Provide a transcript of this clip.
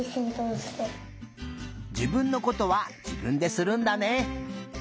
じぶんのことはじぶんでするんだね。